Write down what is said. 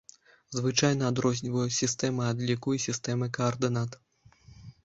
Звычайна адрозніваюць сістэмы адліку і сістэмы каардынат.